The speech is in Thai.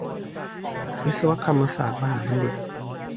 วิศวกรรมศาสตรมหาบัณฑิต